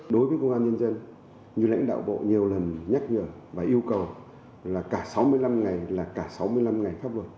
đối với công an nhân dân như lãnh đạo bộ nhiều lần nhắc nhở và yêu cầu là cả sáu mươi năm ngày là cả sáu mươi năm ngày pháp luật